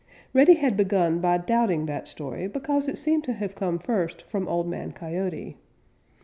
Reddy had begun by doubting that story because it seemed to have come first from Old Man Coyote.